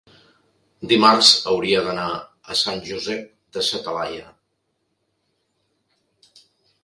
Dimarts hauria d'anar a Sant Josep de sa Talaia.